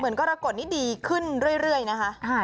เหมือนกรกฎนี้ดีขึ้นเรื่อยนะคะ